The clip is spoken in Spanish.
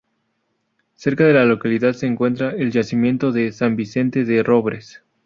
Cerca de la localidad se encuentra el yacimiento de ""San Vicente de Robres"".